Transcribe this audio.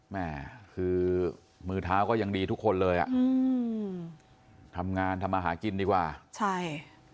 แม่คือมือเท้าก็ยังดีทุกคนเลยอ่ะอืมทำงานทำอาหารกินดีกว่าใช่